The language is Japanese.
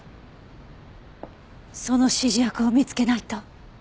その指示役を見つけないと。